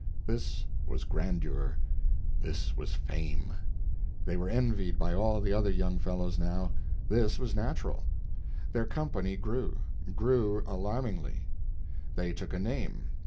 This was grandeur, this was fame. They were envied by all the other young fellows now. This was natural. Their company grew—grew alarmingly. They took a name.